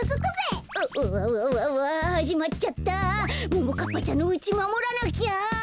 ももかっぱちゃんのうちまもらなきゃ！